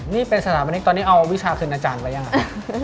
นี่เป็นสนามนิกตอนนี้เอาวิชาคืนอาจารย์ไว้ยังครับ